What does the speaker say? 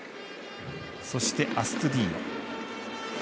そして、アストゥディーヨ。